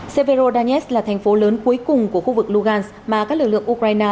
severodonets là thành phố lớn cuối cùng của khu vực lugansk mà các lực lượng ukraine